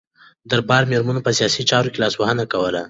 د دربار میرمنو په سیاسي چارو کې لاسوهنه کوله.